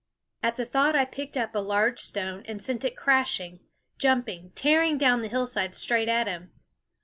At the thought I picked up a large stone and sent it crashing, jumping, tearing down the hillside straight at him.